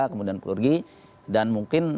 kemudian pergi dan mungkin